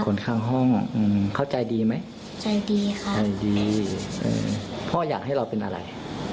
คนข้างห้องเขาใจดีไหมใจดีค่ะใจดีพ่ออยากให้เราเป็นอะไร